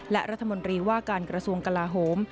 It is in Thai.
และรัฐมนตรีว่าการกระทรวงกลาโหม